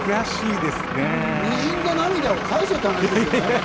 にじんだ涙を返せって話ですよね。